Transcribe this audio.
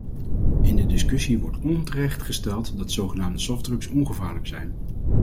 In de discussies wordt onterecht gesteld dat zogenaamde softdrugs ongevaarlijk zijn.